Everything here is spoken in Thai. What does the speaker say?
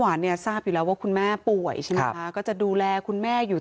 หวานเนี่ยทราบอยู่แล้วว่าคุณแม่ป่วยก็จะดูแลคุณแม่อยู่